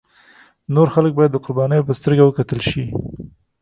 نور خلک باید د قربانیانو په سترګه وکتل شي.